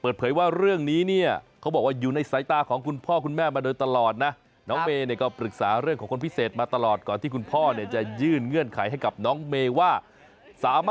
เปิดเผยว่าเรื่องนี้เนี่ยเค้าบอกว่ายู่ในสายตาของขุนพ่อคุณแม่มาเดียวตลอดนะ